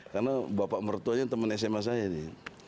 karena bapak bapaknya teman sma saya